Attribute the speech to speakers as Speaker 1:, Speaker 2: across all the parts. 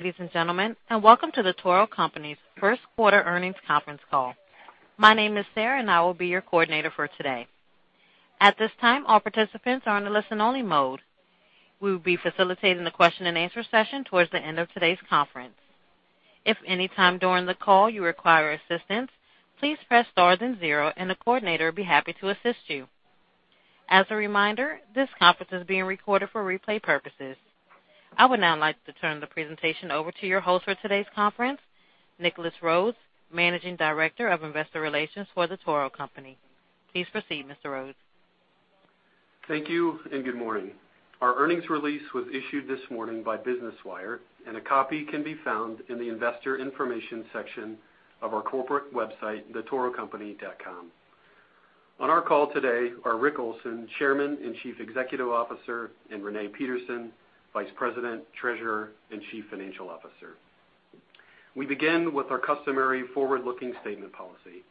Speaker 1: Ladies and gentlemen, welcome to The Toro Company's first quarter earnings conference call. My name is Sarah and I will be your coordinator for today. At this time, all participants are in a listen-only mode. We will be facilitating the question and answer session towards the end of today's conference. If anytime during the call you require assistance, please press star then zero, and a coordinator will be happy to assist you. As a reminder, this conference is being recorded for replay purposes. I would now like to turn the presentation over to your host for today's conference, Nicholas Rhoads, Managing Director of Investor Relations for The Toro Company. Please proceed, Mr. Rhoads.
Speaker 2: Thank you, and good morning. Our earnings release was issued this morning by Business Wire, and a copy can be found in the investor information section of our corporate website, thetorocompany.com. On our call today are Rick Olson, Chairman and Chief Executive Officer, and Renee Peterson, Vice President, Treasurer, and Chief Financial Officer. We begin with our customary forward-looking statement policy.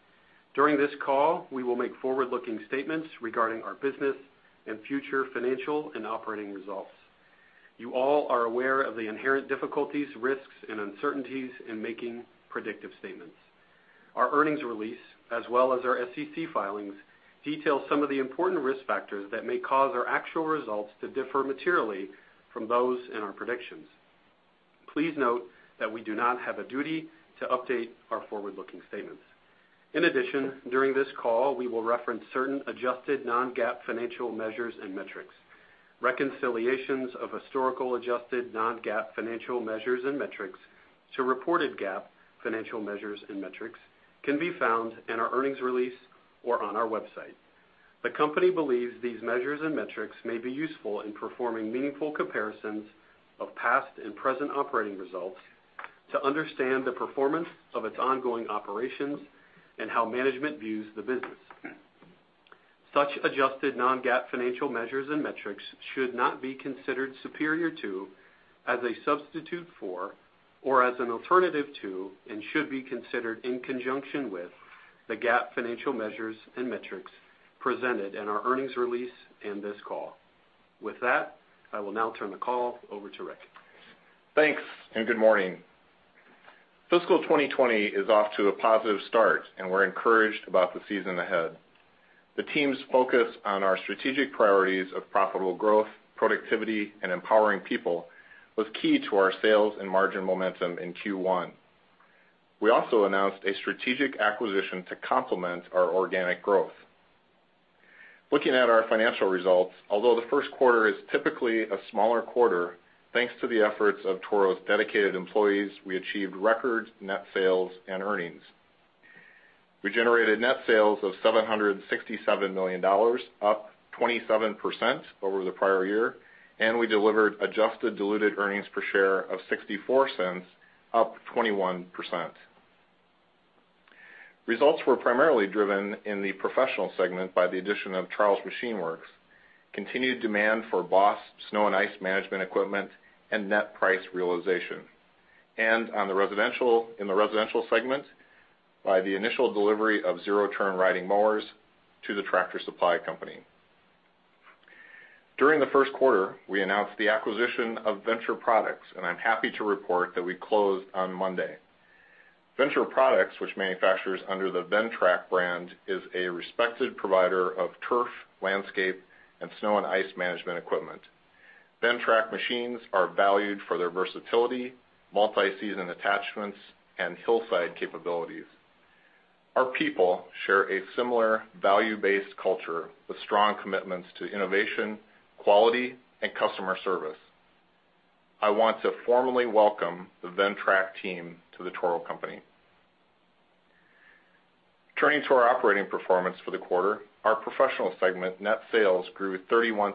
Speaker 2: During this call, we will make forward-looking statements regarding our business and future financial and operating results. You all are aware of the inherent difficulties, risks, and uncertainties in making predictive statements. Our earnings release, as well as our SEC filings, detail some of the important risk factors that may cause our actual results to differ materially from those in our predictions. Please note that we do not have a duty to update our forward-looking statements. In addition, during this call, we will reference certain adjusted non-GAAP financial measures and metrics. Reconciliations of historical adjusted non-GAAP financial measures and metrics to reported GAAP financial measures and metrics can be found in our earnings release or on our website. The company believes these measures and metrics may be useful in performing meaningful comparisons of past and present operating results to understand the performance of its ongoing operations and how management views the business. Such adjusted non-GAAP financial measures and metrics should not be considered superior to, as a substitute for, or as an alternative to, and should be considered in conjunction with, the GAAP financial measures and metrics presented in our earnings release in this call. With that, I will now turn the call over to Rick.
Speaker 3: Thanks, good morning. Fiscal 2020 is off to a positive start, we're encouraged about the season ahead. The team's focus on our strategic priorities of profitable growth, productivity, and empowering people was key to our sales and margin momentum in Q1. We also announced a strategic acquisition to complement our organic growth. Looking at our financial results, although the first quarter is typically a smaller quarter, thanks to the efforts of Toro's dedicated employees, we achieved record net sales and earnings. We generated net sales of $767 million, up 27% over the prior year, we delivered adjusted diluted earnings per share of $0.64, up 21%. Results were primarily driven in the professional segment by the addition of The Charles Machine Works, continued demand for BOSS snow and ice management equipment, and net price realization. In the residential segment by the initial delivery of zero-turn riding mowers to The Tractor Supply Company. During the first quarter, we announced the acquisition of Venture Products, and I'm happy to report that we closed on Monday. Venture Products, which manufactures under the Ventrac brand, is a respected provider of turf, landscape, and snow and ice management equipment. Ventrac machines are valued for their versatility, multi-season attachments, and hillside capabilities. Our people share a similar value-based culture with strong commitments to innovation, quality, and customer service. I want to formally welcome the Ventrac team to The Toro Company. Turning to our operating performance for the quarter, our Professional Segment net sales grew 31%,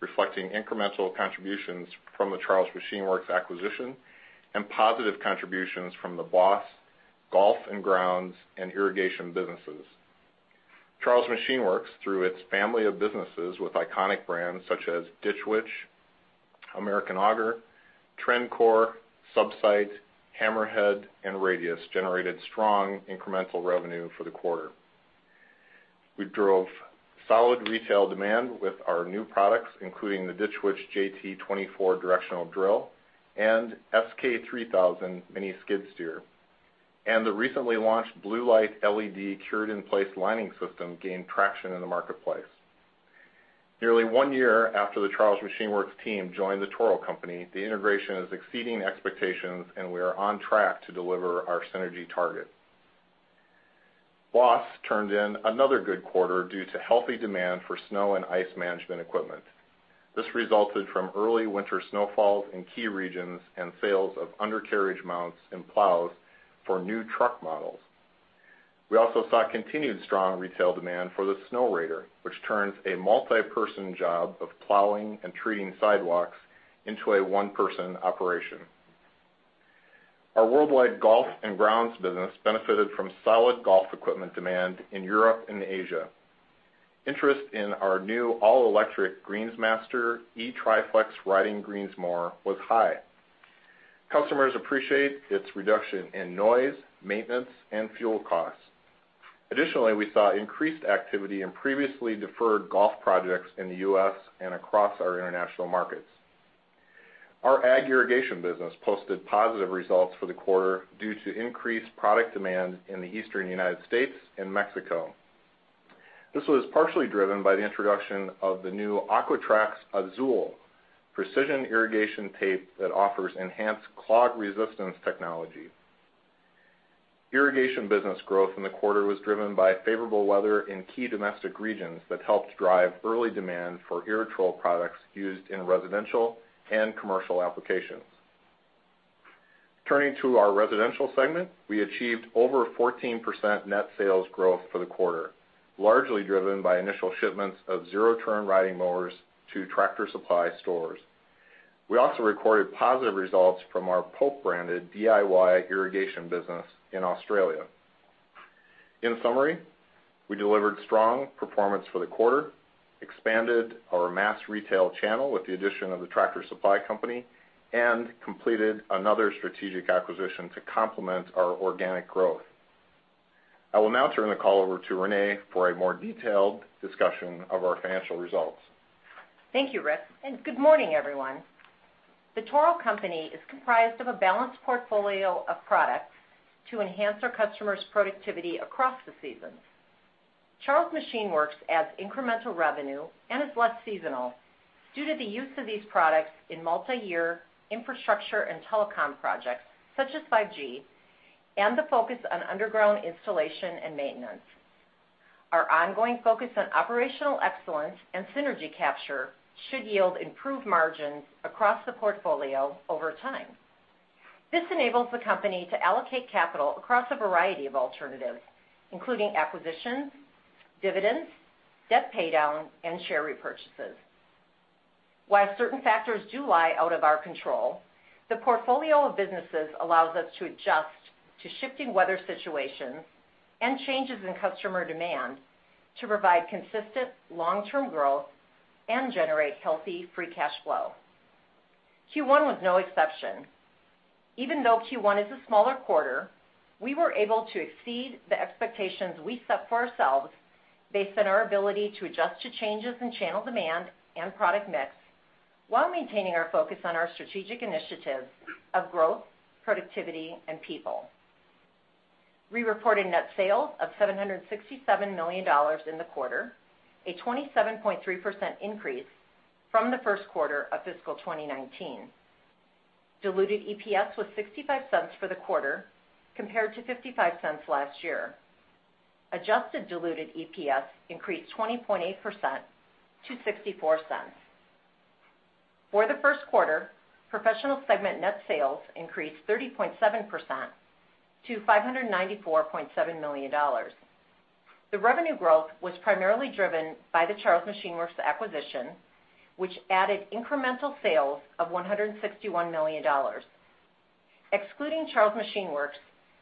Speaker 3: reflecting incremental contributions from The Charles Machine Works acquisition and positive contributions from the BOSS, golf and grounds, and irrigation businesses. Charles Machine Works, through its family of businesses with iconic brands such as Ditch Witch, American Augers, Trencor, Subsite, Hammerhead, and Radius, generated strong incremental revenue for the quarter. We drove solid retail demand with our new products, including the Ditch Witch JT24 directional drill and SK3000 mini skid steer. The recently launched Bluelight LED cured-in-place lining system gained traction in the marketplace. Nearly one year after the Charles Machine Works team joined The Toro Company, the integration is exceeding expectations, and we are on track to deliver our synergy target. BOSS turned in another good quarter due to healthy demand for snow and ice management equipment. This resulted from early winter snowfalls in key regions and sales of undercarriage mounts and plows for new truck models. We also saw continued strong retail demand for the Snowrator, which turns a multi-person job of plowing and treating sidewalks into a one-person operation. Our worldwide golf and grounds business benefited from solid golf equipment demand in Europe and Asia. Interest in our new all-electric Greensmaster eTriFlex riding greens mower was high. Customers appreciate its reduction in noise, maintenance, and fuel costs. Additionally, we saw increased activity in previously deferred golf projects in the U.S. and across our international markets. Our ag irrigation business posted positive results for the quarter due to increased product demand in the Eastern United States and Mexico. This was partially driven by the introduction of the new Aqua-Traxx Azul precision irrigation tape that offers enhanced clog resistance technology. Irrigation business growth in the quarter was driven by favorable weather in key domestic regions that helped drive early demand for Irritrol products used in residential and commercial applications. Turning to our residential segment, we achieved over 14% net sales growth for the quarter, largely driven by initial shipments of zero-turn riding mowers to Tractor Supply stores. We also recorded positive results from our Pope-branded DIY irrigation business in Australia. In summary, we delivered strong performance for the quarter, expanded our mass retail channel with the addition of the Tractor Supply Company, and completed another strategic acquisition to complement our organic growth. I will now turn the call over to Renee for a more detailed discussion of our financial results.
Speaker 4: Thank you, Rick. Good morning, everyone. The Toro Company is comprised of a balanced portfolio of products to enhance our customers' productivity across the seasons. Charles Machine Works adds incremental revenue and is less seasonal due to the use of these products in multi-year infrastructure and telecom projects, such as 5G, and the focus on underground installation and maintenance. Our ongoing focus on operational excellence and synergy capture should yield improved margins across the portfolio over time. This enables the company to allocate capital across a variety of alternatives, including acquisitions, dividends, debt paydown, and share repurchases. While certain factors do lie out of our control, the portfolio of businesses allows us to adjust to shifting weather situations and changes in customer demand to provide consistent long-term growth and generate healthy free cash flow. Q1 was no exception. Even though Q1 is a smaller quarter, we were able to exceed the expectations we set for ourselves based on our ability to adjust to changes in channel demand and product mix, while maintaining our focus on our strategic initiatives of growth, productivity, and people. We reported net sales of $767 million in the quarter, a 27.3% increase from the first quarter of fiscal 2019. Diluted EPS was $0.65 for the quarter, compared to $0.55 last year. Adjusted diluted EPS increased 20.8% to $0.64. For the first quarter, Professional segment net sales increased 30.7% to $594.7 million. The revenue growth was primarily driven by The Charles Machine Works acquisition, which added incremental sales of $161 million. Excluding The Charles Machine Works,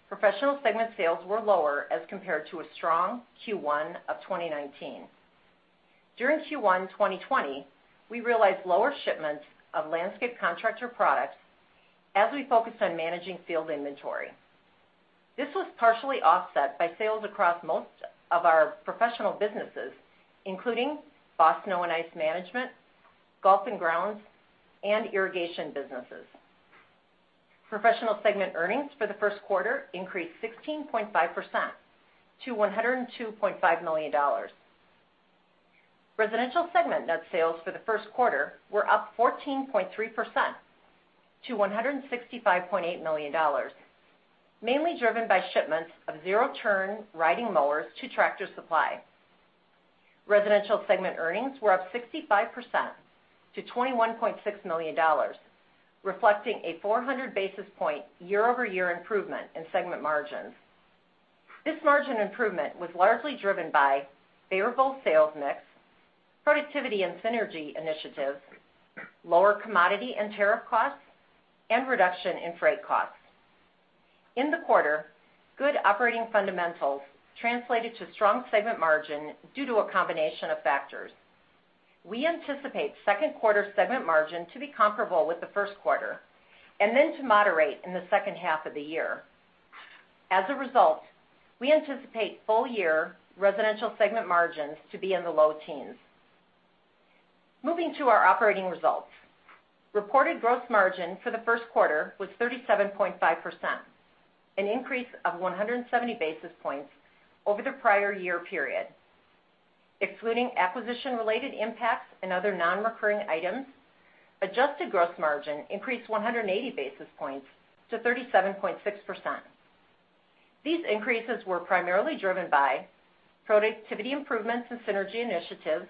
Speaker 4: Professional segment sales were lower as compared to a strong Q1 of 2019. During Q1 2020, we realized lower shipments of landscape contractor products as we focused on managing field inventory. This was partially offset by sales across most of our professional businesses, including snow and ice management, golf and grounds, and irrigation businesses. Professional Segment earnings for the first quarter increased 16.5% to $102.5 million. Residential Segment net sales for the first quarter were up 14.3% to $165.8 million, mainly driven by shipments of zero-turn riding mowers to Tractor Supply. Residential Segment earnings were up 65% to $21.6 million, reflecting a 400 basis point year-over-year improvement in segment margins. This margin improvement was largely driven by favorable sales mix, productivity and synergy initiatives, lower commodity and tariff costs, and reduction in freight costs. In the quarter, good operating fundamentals translated to strong segment margin due to a combination of factors. We anticipate second quarter segment margin to be comparable with the first quarter and then to moderate in the second half of the year. As a result, we anticipate full-year Residential segment margins to be in the low teens. Moving to our operating results. Reported gross margin for the first quarter was 37.5%, an increase of 170 basis points over the prior-year period. Excluding acquisition-related impacts and other non-recurring items, adjusted gross margin increased 180 basis points to 37.6%. These increases were primarily driven by productivity improvements and synergy initiatives,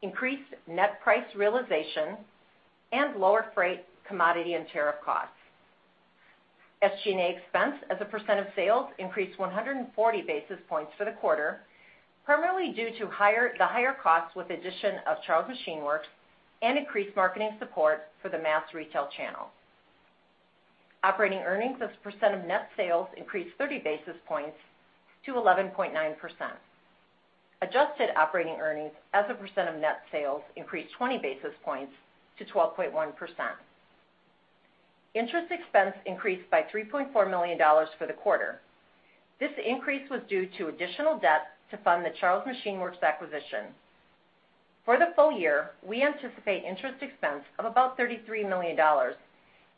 Speaker 4: increased net price realization, and lower freight, commodity, and tariff costs. SG&A expense as a percent of sales increased 140 basis points for the quarter, primarily due to the higher costs with addition of Charles Machine Works and increased marketing support for the mass retail channel. Operating earnings as a percent of net sales increased 30 basis points to 11.9%. Adjusted operating earnings as a percent of net sales increased 20 basis points to 12.1%. Interest expense increased by $3.4 million for the quarter. This increase was due to additional debt to fund the Charles Machine Works acquisition. For the full year, we anticipate interest expense of about $33 million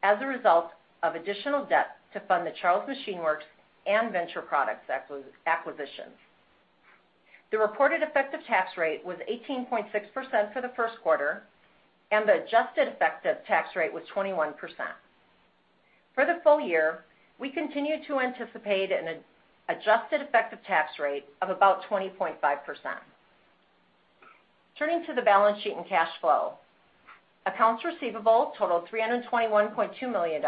Speaker 4: as a result of additional debt to fund the Charles Machine Works and Venture Products acquisitions. The reported effective tax rate was 18.6% for the first quarter, and the adjusted effective tax rate was 21%. For the full year, we continue to anticipate an adjusted effective tax rate of about 20.5%. Turning to the balance sheet and cash flow. Accounts receivable totaled $321.2 million.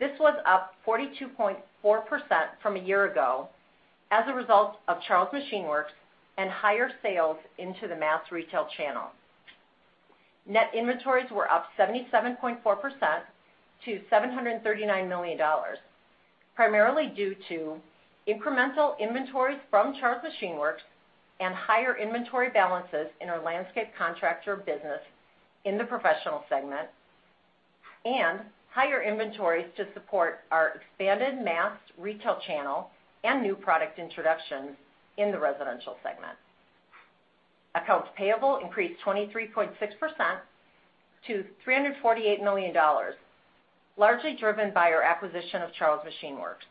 Speaker 4: This was up 42.4% from a year ago as a result of Charles Machine Works and higher sales into the mass retail channel. Net inventories were up 77.4% to $739 million, primarily due to incremental inventories from Charles Machine Works and higher inventory balances in our Landscape Contractor business in the Professional segment, and higher inventories to support our expanded mass retail channel and new product introductions in the Residential segment. Accounts payable increased 23.6% to $348 million, largely driven by our acquisition of Charles Machine Works.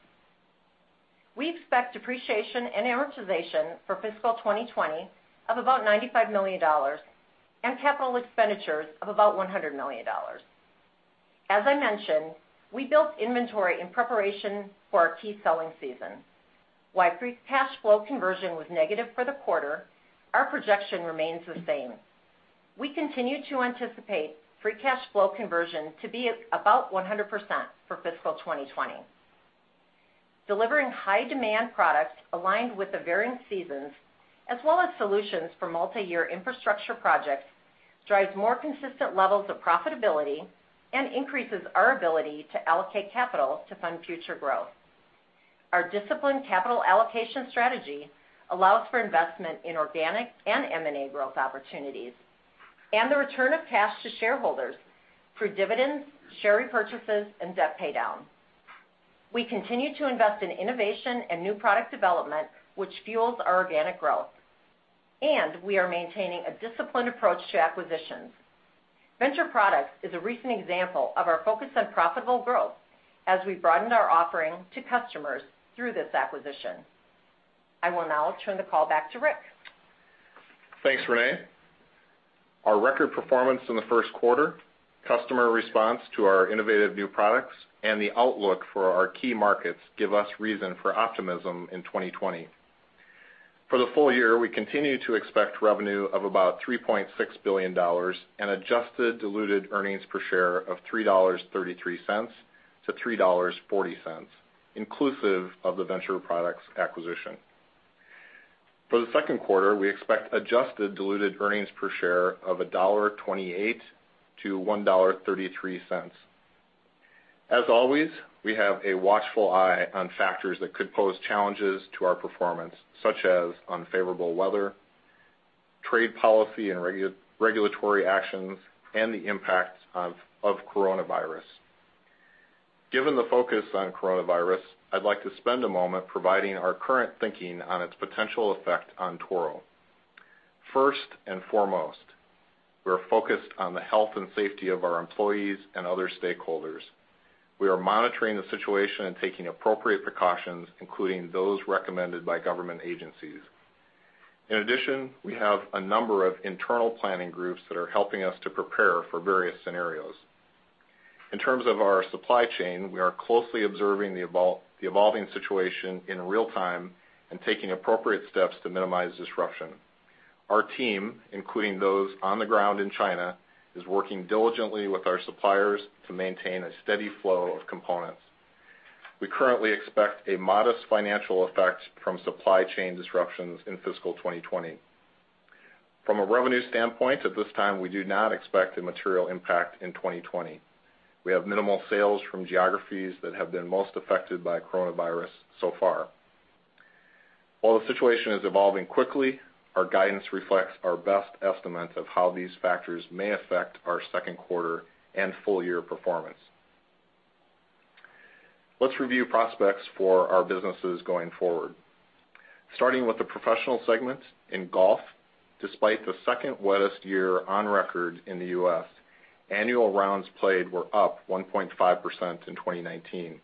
Speaker 4: We expect depreciation and amortization for fiscal 2020 of about $95 million and capital expenditures of about $100 million. As I mentioned, we built inventory in preparation for our key selling season. While free cash flow conversion was negative for the quarter, our projection remains the same. We continue to anticipate free cash flow conversion to be about 100% for fiscal 2020. Delivering high-demand products aligned with the varying seasons, as well as solutions for multi-year infrastructure projects, drives more consistent levels of profitability and increases our ability to allocate capital to fund future growth. Our disciplined capital allocation strategy allows for investment in organic and M&A growth opportunities, and the return of cash to shareholders through dividends, share repurchases and debt paydown. We continue to invest in innovation and new product development, which fuels our organic growth, and we are maintaining a disciplined approach to acquisitions. Venture Products is a recent example of our focus on profitable growth as we broadened our offering to customers through this acquisition. I will now turn the call back to Rick.
Speaker 3: Thanks, Renee. Our record performance in the first quarter, customer response to our innovative new products, and the outlook for our key markets give us reason for optimism in 2020. For the full year, we continue to expect revenue of about $3.6 billion and adjusted diluted earnings per share of $3.33-$3.40, inclusive of the Venture Products acquisition. For the second quarter, we expect adjusted diluted earnings per share of $1.28-$1.33. As always, we have a watchful eye on factors that could pose challenges to our performance, such as unfavorable weather, trade policy, and regulatory actions, and the impacts of coronavirus. Given the focus on coronavirus, I'd like to spend a moment providing our current thinking on its potential effect on Toro. First and foremost, we're focused on the health and safety of our employees and other stakeholders. We are monitoring the situation and taking appropriate precautions, including those recommended by government agencies. In addition, we have a number of internal planning groups that are helping us to prepare for various scenarios. In terms of our supply chain, we are closely observing the evolving situation in real time and taking appropriate steps to minimize disruption. Our team, including those on the ground in China, is working diligently with our suppliers to maintain a steady flow of components. We currently expect a modest financial effect from supply chain disruptions in fiscal 2020. From a revenue standpoint, at this time, we do not expect a material impact in 2020. We have minimal sales from geographies that have been most affected by coronavirus so far. While the situation is evolving quickly, our guidance reflects our best estimate of how these factors may affect our second quarter and full-year performance. Let's review prospects for our businesses going forward. Starting with the professional segment in golf, despite the second wettest year on record in the U.S., annual rounds played were up 1.5% in 2019.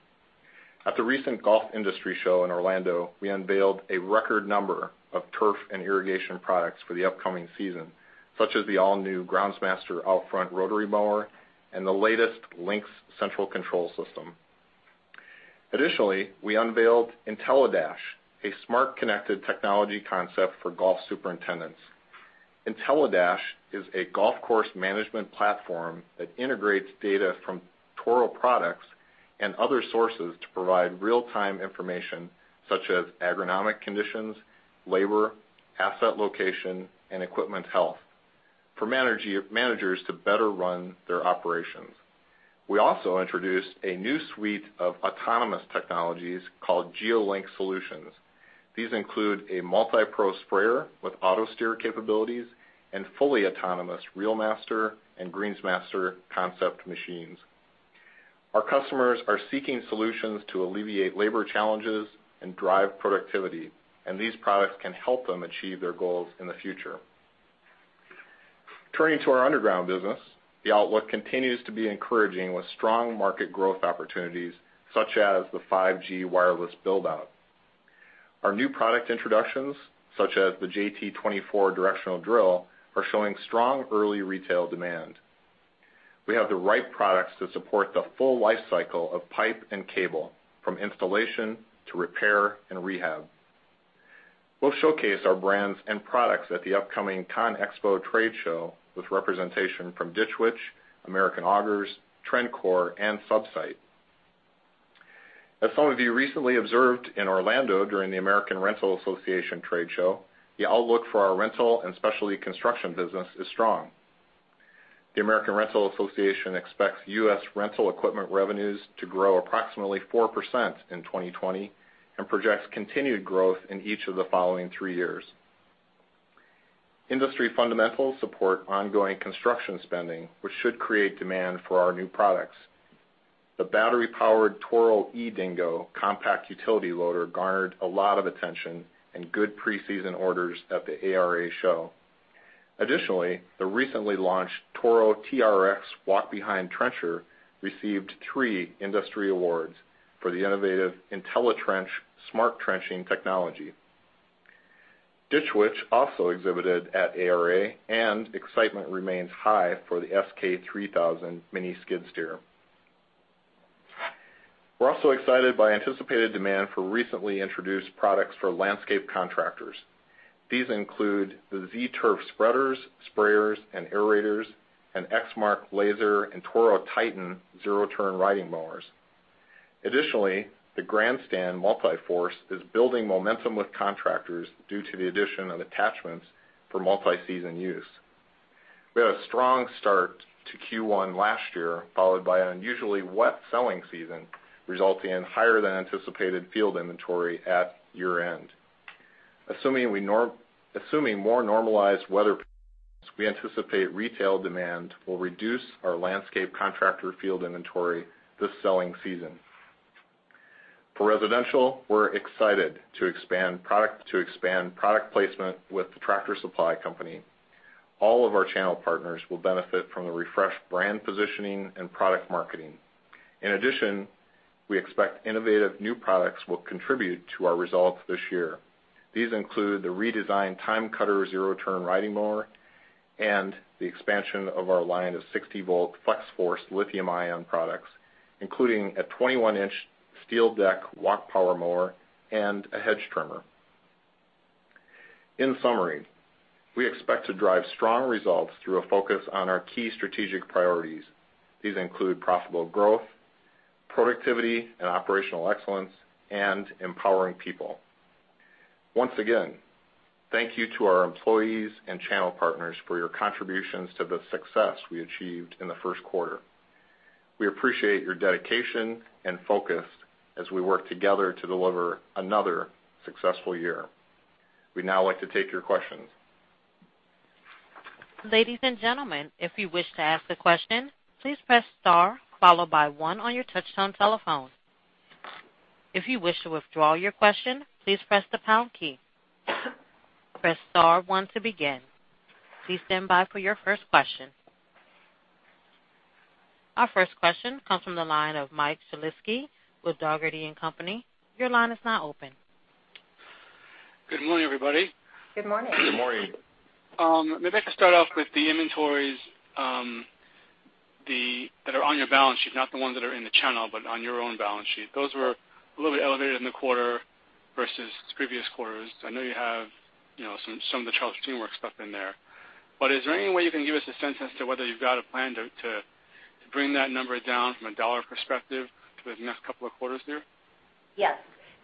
Speaker 3: At the recent Golf Industry Show in Orlando, we unveiled a record number of turf and irrigation products for the upcoming season, such as the all-new Groundsmaster Out-Front rotary mower and the latest Lynx central control system. Additionally, we unveiled IntelliDash, a smart, connected technology concept for golf superintendents. IntelliDash is a golf course management platform that integrates data from Toro products and other sources to provide real-time information, such as agronomic conditions, labor, asset location, and equipment health for managers to better run their operations. We also introduced a new suite of autonomous technologies called GeoLink Solutions. These include a Multi Pro sprayer with auto-steer capabilities and fully autonomous Reelmaster and Greensmaster concept machines. Our customers are seeking solutions to alleviate labor challenges and drive productivity, and these products can help them achieve their goals in the future. Turning to our underground business, the outlook continues to be encouraging with strong market growth opportunities such as the 5G wireless build-out. Our new product introductions, such as the JT24 directional drill, are showing strong early retail demand. We have the right products to support the full life cycle of pipe and cable, from installation to repair and rehab. We'll showcase our brands and products at the upcoming CONEXPO trade show with representation from Ditch Witch, American Augers, Trencor, and Subsite. As some of you recently observed in Orlando during the American Rental Association trade show, the outlook for our rental and specialty construction business is strong. The American Rental Association expects U.S. rental equipment revenues to grow approximately 4% in 2020 and projects continued growth in each of the following three years. Industry fundamentals support ongoing construction spending, which should create demand for our new products. The battery-powered Toro eDingo compact utility loader garnered a lot of attention and good pre-season orders at the ARA show. Additionally, the recently launched Toro TRX walk-behind trencher received three industry awards for the innovative Intelli-Trench smart trenching technology. Ditch Witch also exhibited at ARA, and excitement remains high for the SK3000 mini skid steer. We're also excited by anticipated demand for recently introduced products for landscape contractors. These include the Z Turf spreaders, sprayers, and aerators, and Exmark Lazer Z and Toro TITAN zero-turn riding mowers. Additionally, the GrandStand MULTI FORCE is building momentum with contractors due to the addition of attachments for multi-season use. We had a strong start to Q1 last year, followed by an unusually wet selling season, resulting in higher than anticipated field inventory at year-end. Assuming more normalized weather patterns, we anticipate retail demand will reduce our landscape contractor field inventory this selling season. For residential, we're excited to expand product placement with the Tractor Supply Company. All of our channel partners will benefit from the refreshed brand positioning and product marketing. We expect innovative new products will contribute to our results this year. These include the redesigned TimeCutter zero-turn riding mower and the expansion of our line of 60-volt Flex-Force lithium-ion products, including a 21-inch steel deck walk power mower and a hedge trimmer. We expect to drive strong results through a focus on our key strategic priorities. These include profitable growth, productivity and operational excellence, and empowering people. Once again, thank you to our employees and channel partners for your contributions to the success we achieved in the first quarter. We appreciate your dedication and focus as we work together to deliver another successful year. We'd now like to take your questions.
Speaker 1: Ladies and gentlemen, if you wish to ask a question, please press star followed by one on your touch-tone telephone. If you wish to withdraw your question, please press the pound key. Press star one to begin. Please stand by for your first question. Our first question comes from the line of Michael Shlisky with Dougherty & Company. Your line is now open.
Speaker 5: Good morning, everybody.
Speaker 3: Good morning. Good morning.
Speaker 5: Maybe I could start off with the inventories that are on your balance sheet, not the ones that are in the channel, but on your own balance sheet. Those were a little bit elevated in the quarter versus the previous quarters. I know you have some of the Charles Machine Works stuff in there. Is there any way you can give us a sense as to whether you've got a plan to bring that number down from a dollar perspective within the next couple of quarters here?
Speaker 4: Yes.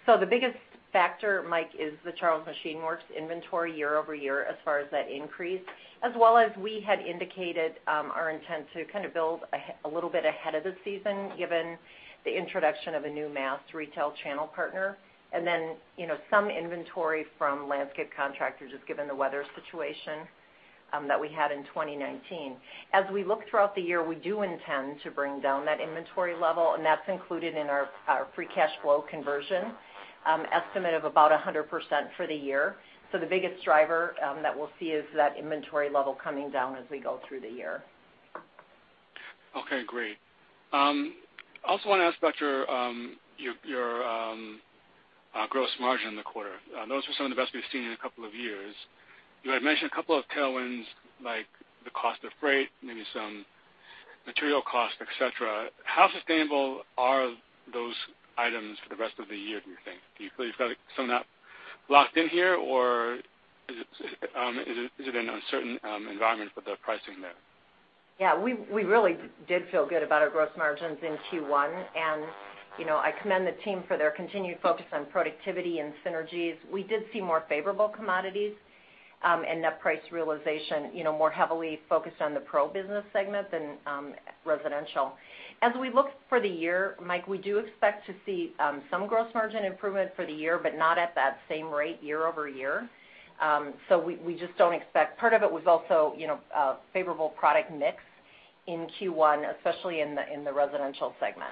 Speaker 4: The biggest factor, Mike, is the Charles Machine Works inventory year-over-year as far as that increase, as well as we had indicated our intent to kind of build a little bit ahead of the season, given the introduction of a new mass retail channel partner. Then some inventory from landscape contractors, just given the weather situation that we had in 2019. As we look throughout the year, we do intend to bring down that inventory level, and that's included in our free cash flow conversion estimate of about 100% for the year. The biggest driver that we'll see is that inventory level coming down as we go through the year.
Speaker 5: Okay, great. I also want to ask about your gross margin in the quarter. Those were some of the best we've seen in a couple of years. You had mentioned a couple of tailwinds, like the cost of freight, maybe some material cost, et cetera. How sustainable are those items for the rest of the year, do you think? Do you feel you've got some of that locked in here or is it an uncertain environment for the pricing there?
Speaker 4: We really did feel good about our gross margins in Q1. I commend the team for their continued focus on productivity and synergies. We did see more favorable commodities Net price realization more heavily focused on the pro business segment than residential. As we look for the year, Mike, we do expect to see some gross margin improvement for the year, but not at that same rate year-over-year. We just don't expect. Part of it was also a favorable product mix in Q1, especially in the residential segment.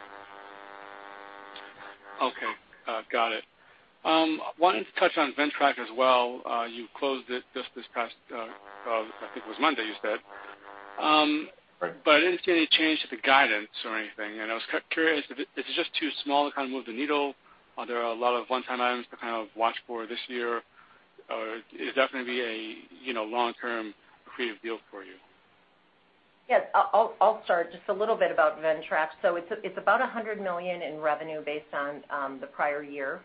Speaker 5: Okay. Got it. Wanted to touch on Ventrac as well. You closed it just this past, I think it was Monday, you said.
Speaker 4: Right.
Speaker 5: I didn't see any change to the guidance or anything, and I was curious if it's just too small to move the needle, are there a lot of one-time items to watch for this year, or it'd definitely be a long-term accretive deal for you?
Speaker 4: Yes. I'll start just a little bit about Ventrac. It's about $100 million in revenue based on the prior year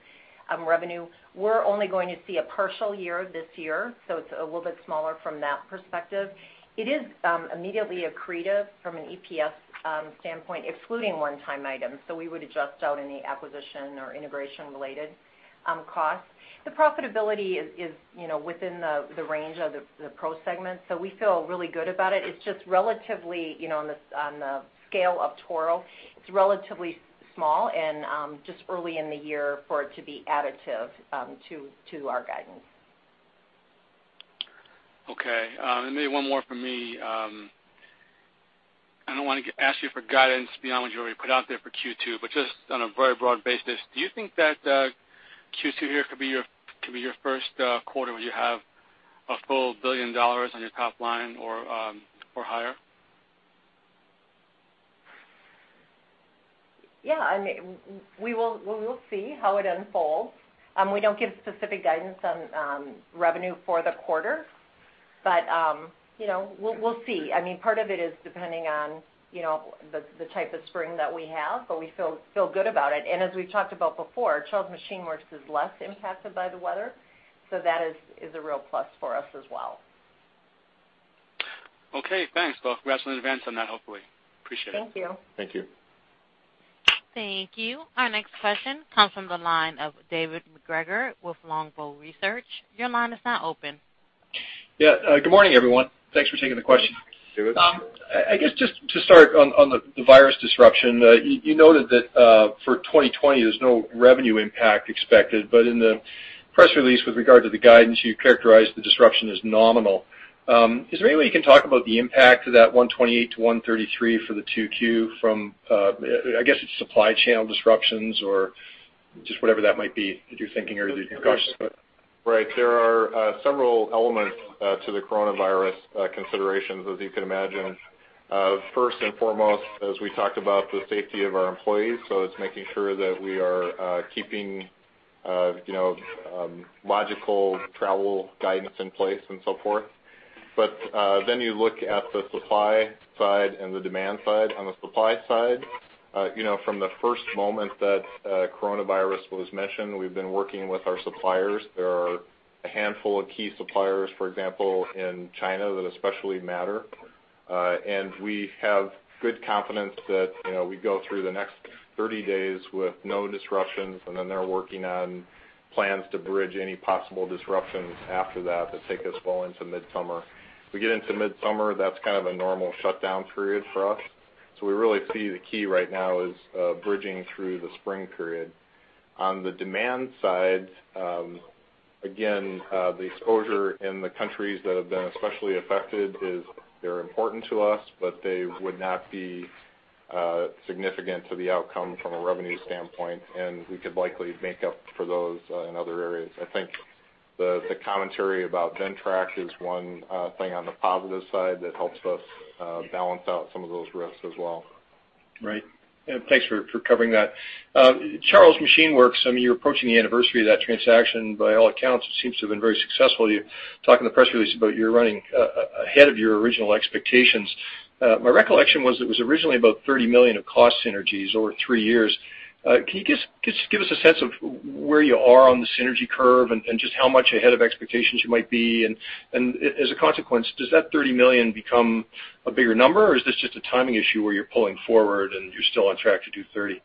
Speaker 4: revenue. We're only going to see a partial year this year, so it's a little bit smaller from that perspective. It is immediately accretive from an EPS standpoint, excluding one-time items. We would adjust out any acquisition or integration-related costs. The profitability is within the range of the pro segment. We feel really good about it. It's just on the scale of Toro, it's relatively small and just early in the year for it to be additive to our guidance.
Speaker 5: Okay. Maybe one more from me. I don't want to ask you for guidance beyond what you already put out there for Q2, but just on a very broad basis, do you think that Q2 here could be your first quarter where you have a full $1 billion on your top line or higher?
Speaker 4: Yeah. We will see how it unfolds. We don't give specific guidance on revenue for the quarter. We'll see. Part of it is depending on the type of spring that we have, but we feel good about it. As we've talked about before, Charles Machine Works is less impacted by the weather. That is a real plus for us as well.
Speaker 5: Okay, thanks. Congrats in advance on that, hopefully. Appreciate it.
Speaker 4: Thank you.
Speaker 3: Thank you.
Speaker 1: Thank you. Our next question comes from the line of David MacGregor with Longbow Research. Your line is now open.
Speaker 6: Yeah. Good morning, everyone. Thanks for taking the question.
Speaker 3: Good morning, David.
Speaker 6: I guess just to start on the virus disruption, you noted that for 2020, there's no revenue impact expected. In the press release, with regard to the guidance, you characterized the disruption as nominal. Is there any way you can talk about the impact of that $128-$133 for the 2Q from, I guess it's supply chain disruptions or just whatever that might be that you're thinking or that you can talk about?
Speaker 3: Right. There are several elements to the coronavirus considerations, as you can imagine. First and foremost, as we talked about, the safety of our employees. It's making sure that we are keeping logical travel guidance in place and so forth. You look at the supply side and the demand side. On the supply side, from the first moment that coronavirus was mentioned, we've been working with our suppliers. There are a handful of key suppliers, for example, in China that especially matter. We have good confidence that we go through the next 30 days with no disruptions, and then they're working on plans to bridge any possible disruptions after that, to take us well into midsummer. We get into midsummer, that's kind of a normal shutdown period for us. We really see the key right now is bridging through the spring period. On the demand side, again, the exposure in the countries that have been especially affected is they're important to us, but they would not be significant to the outcome from a revenue standpoint, and we could likely make up for those in other areas. I think the commentary about Ventrac is one thing on the positive side that helps us balance out some of those risks as well.
Speaker 6: Right. Thanks for covering that. Charles Machine Works, you are approaching the anniversary of that transaction. By all accounts, it seems to have been very successful. You talk in the press release about you are running ahead of your original expectations. My recollection was it was originally about $30 million of cost synergies over three years. Can you just give us a sense of where you are on the synergy curve and just how much ahead of expectations you might be? As a consequence, does that $30 million become a bigger number, or is this just a timing issue where you are pulling forward and you are still on track to do $30?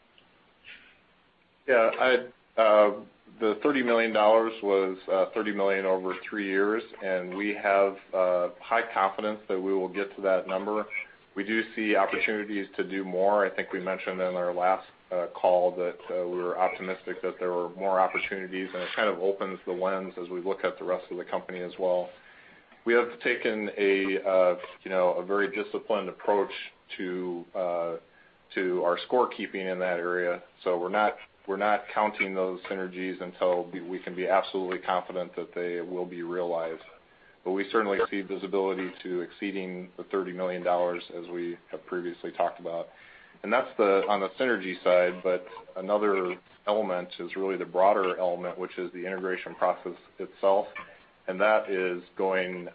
Speaker 3: Yeah. The $30 million was $30 million over three years, and we have high confidence that we will get to that number. We do see opportunities to do more. I think we mentioned in our last call that we were optimistic that there were more opportunities, and it kind of opens the lens as we look at the rest of the company as well. We have taken a very disciplined approach to our scorekeeping in that area. We're not counting those synergies until we can be absolutely confident that they will be realized. We certainly see visibility to exceeding the $30 million as we have previously talked about. That's on the synergy side, but another element is really the broader element, which is the integration process itself. That is going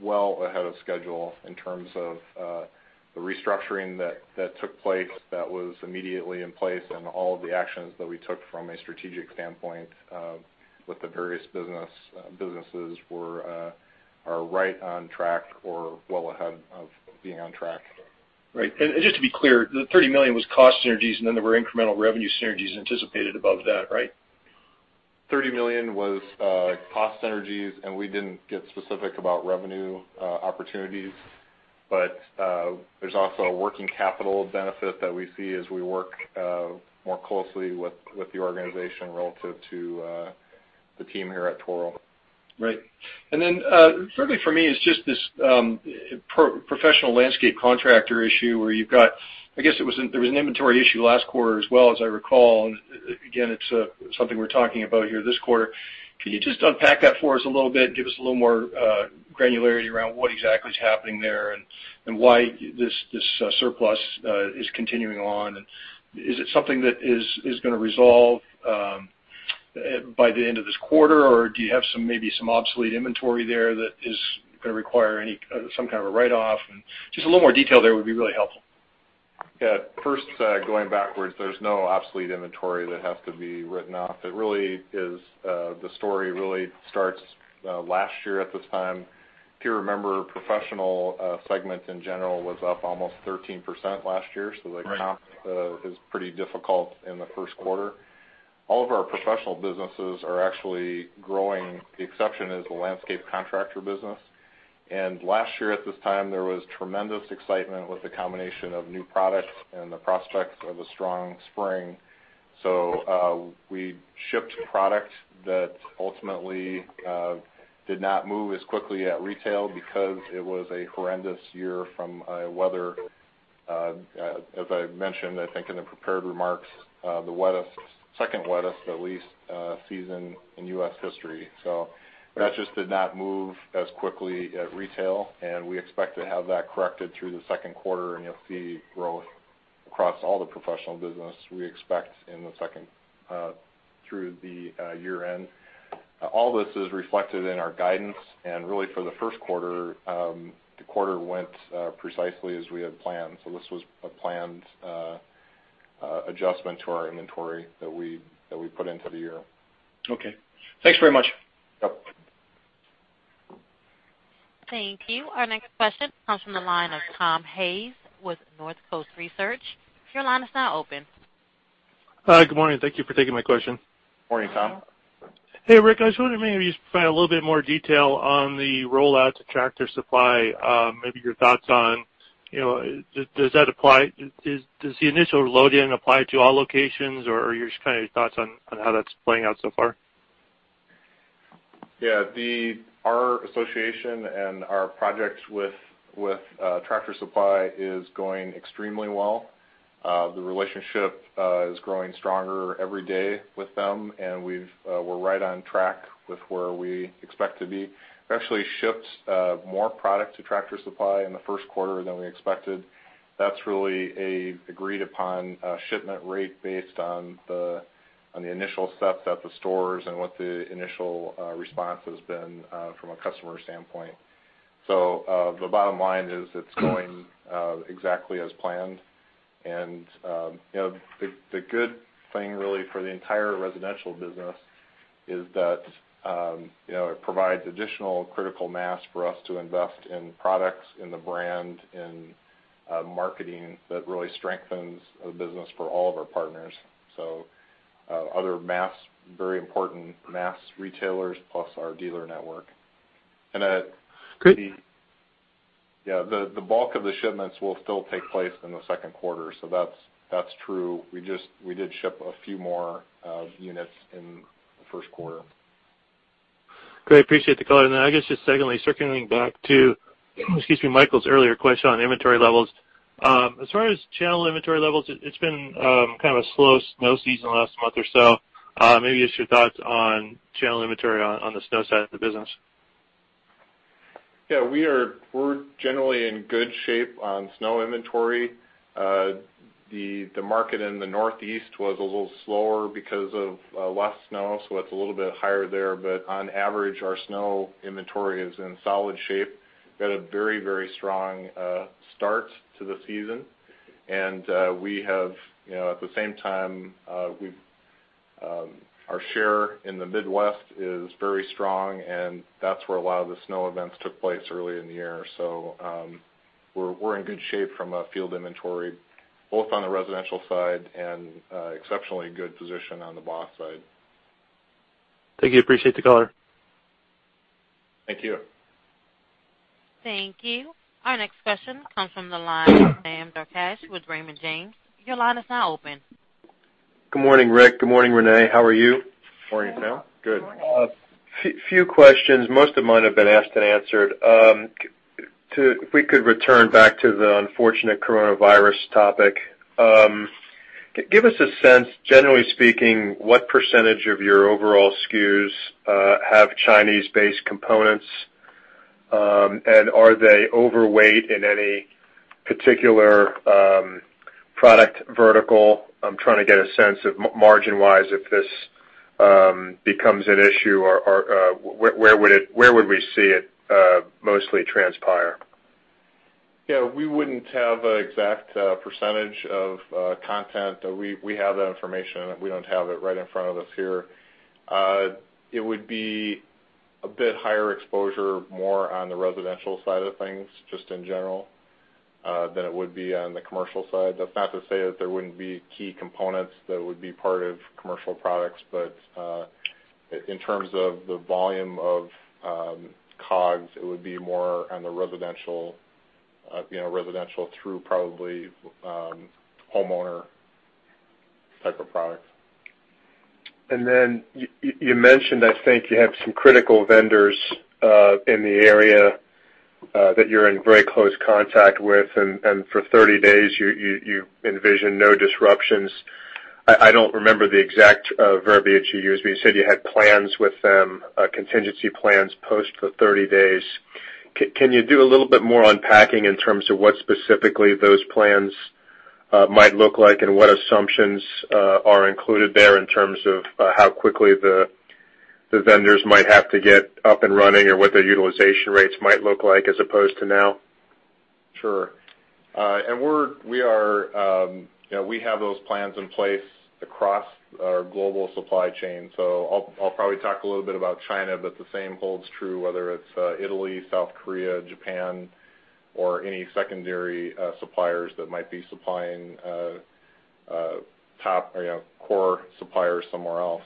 Speaker 3: well ahead of schedule in terms of the restructuring that took place that was immediately in place and all of the actions that we took from a strategic standpoint with the various businesses are right on track or well ahead of being on track.
Speaker 6: Right. Just to be clear, the $30 million was cost synergies, and then there were incremental revenue synergies anticipated above that, right?
Speaker 3: $30 million was cost synergies, we didn't get specific about revenue opportunities. There's also a working capital benefit that we see as we work more closely with the organization relative to the team here at Toro.
Speaker 6: Right. Certainly for me, it's just this professional landscape contractor issue. I guess there was an inventory issue last quarter as well, as I recall, and again, it's something we're talking about here this quarter. Can you just unpack that for us a little bit, give us a little more granularity around what exactly is happening there and why this surplus is continuing on? Is it something that is going to resolve by the end of this quarter, or do you have maybe some obsolete inventory there that is going to require some kind of a write-off? Just a little more detail there would be really helpful.
Speaker 3: Yeah. First, going backwards, there's no obsolete inventory that has to be written off. The story really starts last year at this time. If you remember, professional segments in general was up almost 13% last year.
Speaker 6: Right
Speaker 3: The comp is pretty difficult in the first quarter. All of our professional businesses are actually growing. The exception is the landscape contractor business. Last year at this time, there was tremendous excitement with the combination of new products and the prospects of a strong spring. We shipped product that ultimately did not move as quickly at retail because it was a horrendous year from a weather, as I mentioned, I think in the prepared remarks, the second wettest, at least, season in U.S. history. That just did not move as quickly at retail, and we expect to have that corrected through the second quarter, and you'll see growth across all the professional business we expect through the year-end. All this is reflected in our guidance, and really for the first quarter, the quarter went precisely as we had planned. This was a planned adjustment to our inventory that we put into the year.
Speaker 6: Okay. Thanks very much.
Speaker 3: Yep.
Speaker 1: Thank you. Our next question comes from the line of Tom Hayes with Northcoast Research. Your line is now open.
Speaker 7: Good morning. Thank you for taking my question.
Speaker 3: Morning, Tom.
Speaker 7: Hey, Rick, I was wondering maybe if you could provide a little bit more detail on the rollout to Tractor Supply, maybe your thoughts on, does the initial load-in apply to all locations, or just kind of your thoughts on how that's playing out so far?
Speaker 3: Yeah. Our association and our projects with Tractor Supply is going extremely well. The relationship is growing stronger every day with them, and we're right on track with where we expect to be. We actually shipped more product to Tractor Supply in the first quarter than we expected. That's really an agreed-upon shipment rate based on the initial stuff at the stores and what the initial response has been from a customer standpoint. The bottom line is it's going exactly as planned. The good thing really for the entire residential business is that it provides additional critical mass for us to invest in products, in the brand, in marketing that really strengthens the business for all of our partners, other very important mass retailers plus our dealer network.
Speaker 7: Great.
Speaker 3: The bulk of the shipments will still take place in the second quarter. That's true. We did ship a few more units in the first quarter.
Speaker 7: Great. Appreciate the color. I guess just secondly, circling back to excuse me, Michael's earlier question on inventory levels. As far as channel inventory levels, it's been kind of a slow snow season the last month or so. Maybe just your thoughts on channel inventory on the snow side of the business.
Speaker 3: Yeah, we're generally in good shape on snow inventory. The market in the Northeast was a little slower because of less snow. It's a little bit higher there. On average, our snow inventory is in solid shape. We had a very strong start to the season. At the same time, our share in the Midwest is very strong, and that's where a lot of the snow events took place early in the year. We're in good shape from a field inventory, both on the residential side and exceptionally good position on the BOSS side.
Speaker 7: Thank you. Appreciate the color.
Speaker 3: Thank you.
Speaker 1: Thank you. Our next question comes from the line of Sam Darkatsh with Raymond James. Your line is now open.
Speaker 8: Good morning, Rick. Good morning, Renee. How are you?
Speaker 3: Morning, Sam. Good.
Speaker 4: Good morning.
Speaker 8: Few questions. Most of mine have been asked and answered. If we could return back to the unfortunate coronavirus topic. Give us a sense, generally speaking, what percentage of your overall SKUs have Chinese-based components, and are they overweight in any particular product vertical? I'm trying to get a sense of margin-wise if this becomes an issue, or where would we see it mostly transpire?
Speaker 3: Yeah, we wouldn't have an exact percentage of content. We have that information, and we don't have it right in front of us here. It would be a bit higher exposure, more on the residential side of things, just in general, than it would be on the commercial side. That's not to say that there wouldn't be key components that would be part of commercial products, but in terms of the volume of COGS, it would be more on the residential through probably homeowner type of product.
Speaker 8: You mentioned, I think, you have some critical vendors in the area, that you're in very close contact with, and for 30 days, you envision no disruptions. I don't remember the exact verbiage you used, but you said you had plans with them, contingency plans post the 30 days. Can you do a little bit more unpacking in terms of what specifically those plans might look like, and what assumptions are included there in terms of how quickly the vendors might have to get up and running or what their utilization rates might look like as opposed to now?
Speaker 3: Sure. We have those plans in place across our global supply chain. I'll probably talk a little bit about China, but the same holds true, whether it's Italy, South Korea, Japan, or any secondary suppliers that might be supplying top core suppliers somewhere else.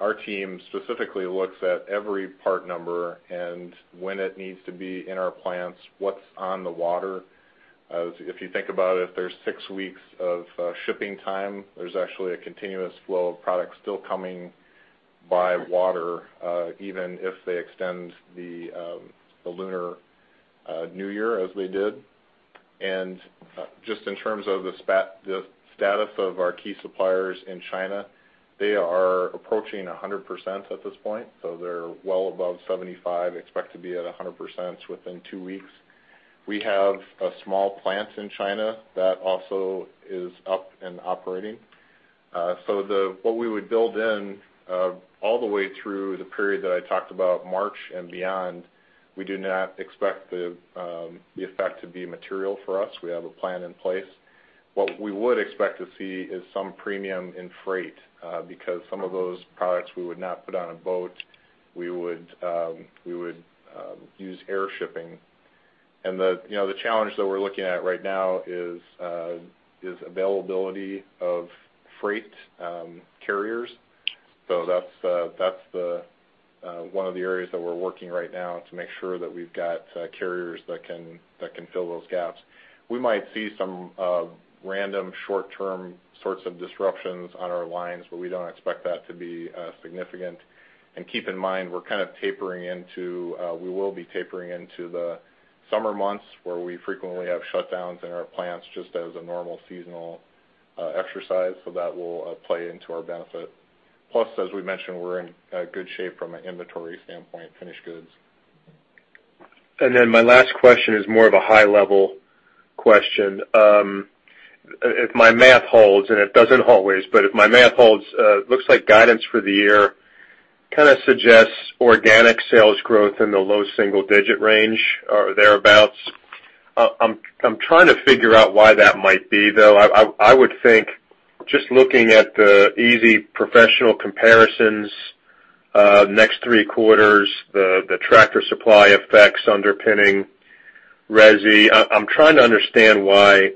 Speaker 3: Our team specifically looks at every part number and when it needs to be in our plants, what's on the water. If you think about it, there's six weeks of shipping time. There's actually a continuous flow of products still coming by water, even if they extend the Lunar New Year as they did. Just in terms of the status of our key suppliers in China, they are approaching 100% at this point, so they're well above 75%, expect to be at 100% within two weeks. We have a small plant in China that also is up and operating. What we would build in all the way through the period that I talked about March and beyond, we do not expect the effect to be material for us. We have a plan in place. What we would expect to see is some premium in freight, because some of those products we would not put on a boat. We would use air shipping. The challenge that we're looking at right now is availability of freight carriers. That's one of the areas that we're working right now to make sure that we've got carriers that can fill those gaps. We might see some random short-term sorts of disruptions on our lines, but we don't expect that to be significant. Keep in mind, we will be tapering into the summer months where we frequently have shutdowns in our plants just as a normal seasonal exercise, that will play into our benefit. As we mentioned, we're in good shape from an inventory standpoint, finished goods.
Speaker 8: My last question is more of a high-level question. If my math holds, and it doesn't always, but if my math holds, looks like guidance for the year kind of suggests organic sales growth in the low single-digit range or thereabouts. I am trying to figure out why that might be, though. I would think just looking at the easy professional comparisons, next three quarters, the Tractor Supply effects underpinning resi. I am trying to understand why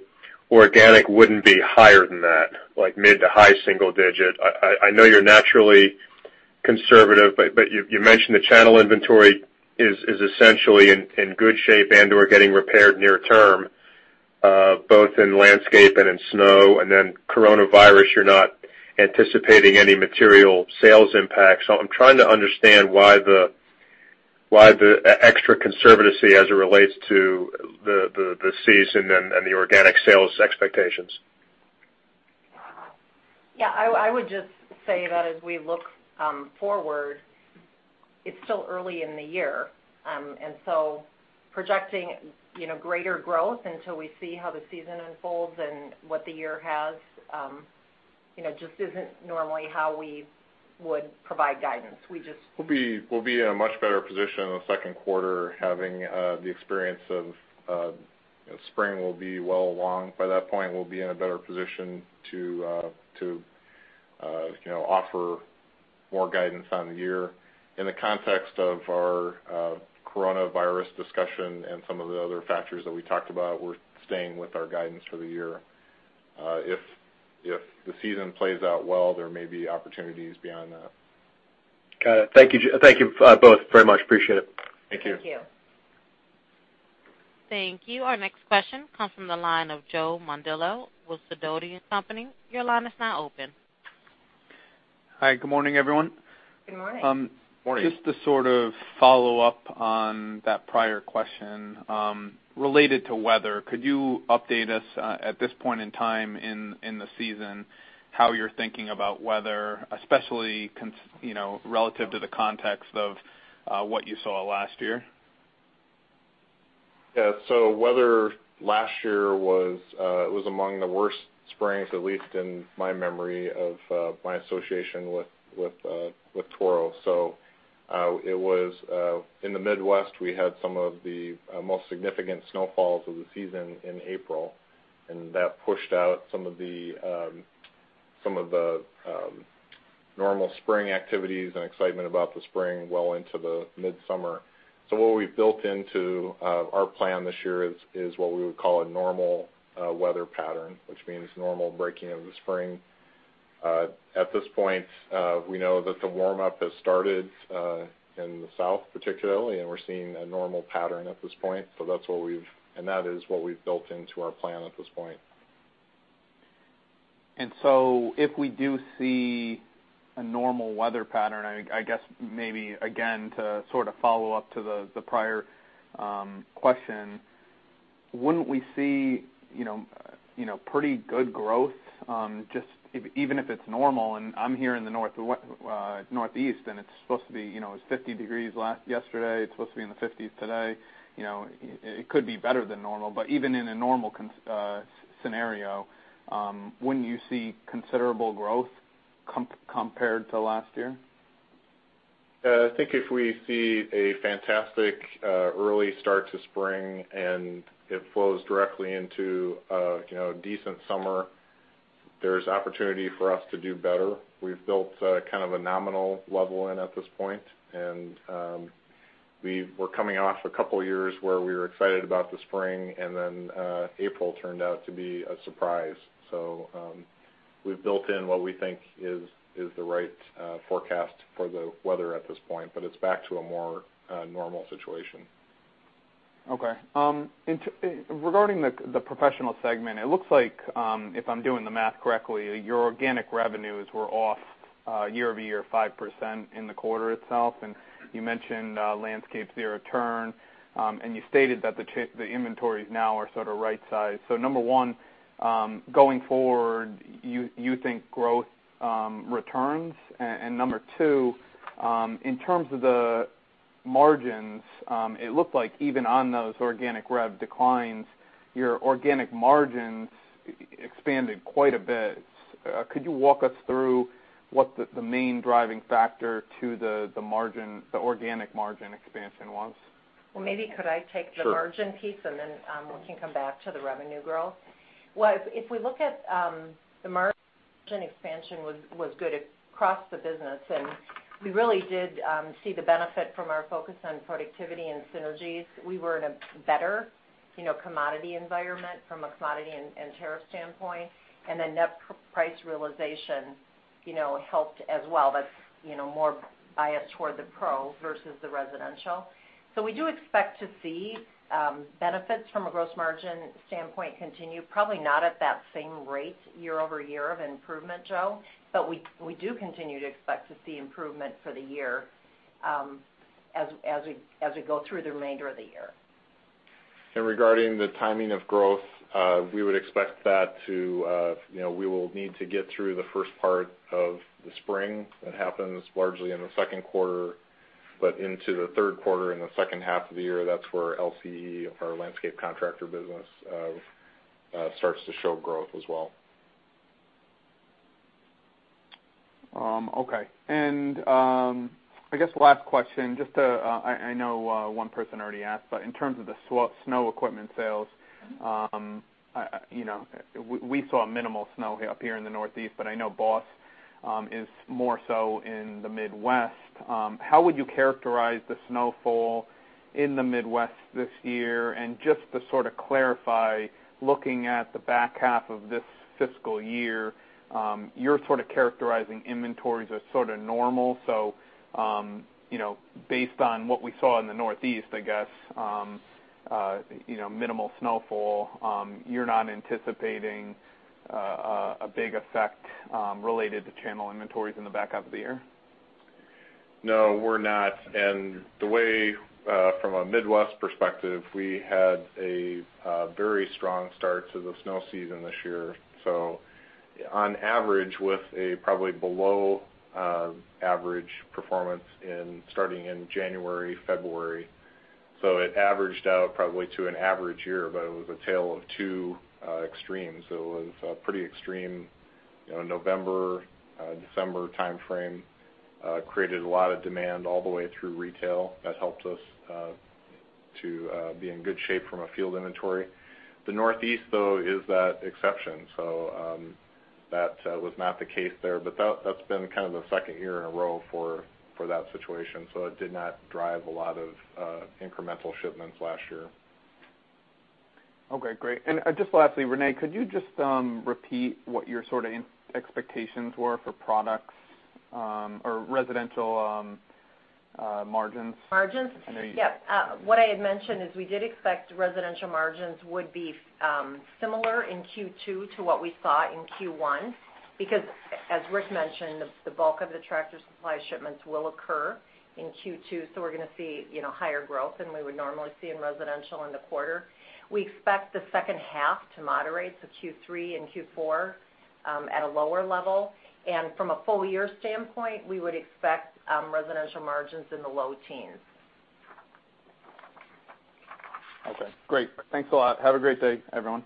Speaker 8: organic wouldn't be higher than that, like mid to high single digit. I know you are naturally conservative, but you mentioned the channel inventory is essentially in good shape and/or getting repaired near term, both in landscape and in snow. Coronavirus, you are not anticipating any material sales impact. I am trying to understand why the extra conservatism as it relates to the season and the organic sales expectations.
Speaker 4: Yeah, I would just say that as we look forward, it's still early in the year. Projecting greater growth until we see how the season unfolds and what the year has, just isn't normally how we would provide guidance.
Speaker 3: We'll be in a much better position in the second quarter having the experience of spring will be well along. By that point, we'll be in a better position to offer more guidance on the year. In the context of our coronavirus discussion and some of the other factors that we talked about, we're staying with our guidance for the year. If the season plays out well, there may be opportunities beyond that.
Speaker 8: Got it. Thank you both very much. Appreciate it.
Speaker 3: Thank you.
Speaker 4: Thank you.
Speaker 1: Thank you. Our next question comes from the line of Joe Mondillo with Sidoti & Company. Your line is now open.
Speaker 9: Hi, good morning, everyone.
Speaker 4: Good morning.
Speaker 3: Morning.
Speaker 9: Just to sort of follow up on that prior question. Related to weather, could you update us at this point in time in the season how you're thinking about weather, especially relative to the context of what you saw last year?
Speaker 3: Yeah. Weather last year was among the worst springs, at least in my memory of my association with Toro. In the Midwest, we had some of the most significant snowfalls of the season in April, and that pushed out some of the normal spring activities and excitement about the spring well into the midsummer. What we've built into our plan this year is what we would call a normal weather pattern, which means normal breaking of the spring. At this point, we know that the warm-up has started, in the south particularly, and we're seeing a normal pattern at this point. That is what we've built into our plan at this point.
Speaker 9: If we do see a normal weather pattern, I guess maybe again, to sort of follow up to the prior question, wouldn't we see pretty good growth? Just even if it's normal, and I'm here in the Northeast, and it was 50 degrees yesterday. It's supposed to be in the 50s today. It could be better than normal, but even in a normal scenario, wouldn't you see considerable growth compared to last year?
Speaker 3: Yeah, I think if we see a fantastic early start to spring and it flows directly into a decent summer, there's opportunity for us to do better. We've built kind of a nominal level in at this point, and we're coming off a couple of years where we were excited about the spring, and then April turned out to be a surprise. We've built in what we think is the right forecast for the weather at this point, but it's back to a more normal situation.
Speaker 9: Okay. Regarding the professional segment, it looks like, if I'm doing the math correctly, your organic revenues were off year-over-year 5% in the quarter itself. You mentioned Landscape Zero turn, and you stated that the inventories now are sort of right size. Number one, going forward, you think growth returns? Number two, in terms of the margins, it looked like even on those organic rev declines, your organic margins expanded quite a bit. Could you walk us through what the main driving factor to the organic margin expansion was?
Speaker 4: Well, maybe could I take the margin piece.
Speaker 3: Sure
Speaker 4: We can come back to the revenue growth. If we look at the margin expansion was good across the business, we really did see the benefit from our focus on productivity and synergies. We were in a better commodity environment from a commodity and tariff standpoint. Net price realization helped as well. That's more biased toward the pro versus the residential. We do expect to see benefits from a gross margin standpoint continue, probably not at that same rate year-over-year of improvement, Joe, but we do continue to expect to see improvement for the year as we go through the remainder of the year.
Speaker 3: Regarding the timing of growth, we will need to get through the first part of the spring. That happens largely in the second quarter, but into the third quarter and the second half of the year. That's where LCE, or Landscape Contractor business, starts to show growth as well.
Speaker 9: Okay. I guess last question, I know, one person already asked, but in terms of the snow equipment sales, we saw minimal snow up here in the Northeast, but I know BOSS, is more so in the Midwest. How would you characterize the snowfall in the Midwest this year? Just to sort of clarify, looking at the back half of this fiscal year, you're sort of characterizing inventories as sort of normal. Based on what we saw in the Northeast, I guess, minimal snowfall, you're not anticipating a big effect related to channel inventories in the back half of the year?
Speaker 3: No, we're not. The way, from a Midwest perspective, we had a very strong start to the snow season this year. On average, with a probably below average performance starting in January, February. It averaged out probably to an average year, but it was a tale of two extremes. It was a pretty extreme November, December timeframe. Created a lot of demand all the way through retail. That helped us to be in good shape from a field inventory. The Northeast, though, is that exception. That was not the case there, but that's been kind of the second year in a row for that situation. It did not drive a lot of incremental shipments last year.
Speaker 9: Okay, great. Just lastly, Renee, could you just repeat what your sort of expectations were for products, or residential margins?
Speaker 4: Margins?
Speaker 9: I know you-
Speaker 4: What I had mentioned is we did expect residential margins would be similar in Q2 to what we saw in Q1, because as Rick mentioned, the bulk of the Tractor Supply shipments will occur in Q2, so we are going to see higher growth than we would normally see in residential in the quarter. We expect the second half to moderate, so Q3 and Q4 at a lower level. From a full year standpoint, we would expect residential margins in the low teens.
Speaker 9: Okay, great. Thanks a lot. Have a great day, everyone.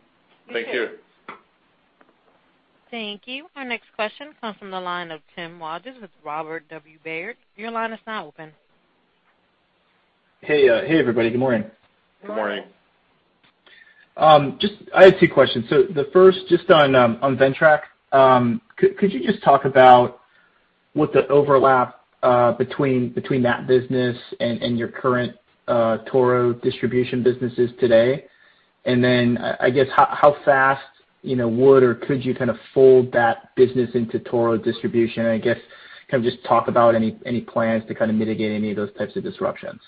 Speaker 3: Thank you.
Speaker 4: You too.
Speaker 1: Thank you. Our next question comes from the line of Tim Hodges with Robert W. Baird. Your line is now open.
Speaker 10: Hey, everybody. Good morning.
Speaker 3: Good morning.
Speaker 10: I have two questions. The first, just on Ventrac. Could you just talk about what the overlap between that business and your current Toro distribution business is today? I guess, how fast would or could you fold that business into Toro distribution? I guess, can you just talk about any plans to mitigate any of those types of disruptions?